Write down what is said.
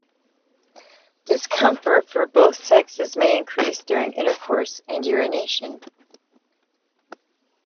Discomfort for both sexes may increase during intercourse and urination.